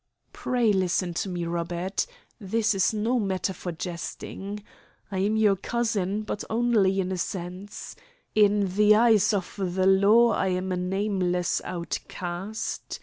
"Pray listen to me, Robert. This is no matter for jesting. I am your cousin, but only in a sense. In the eyes of the law I am a nameless outcast.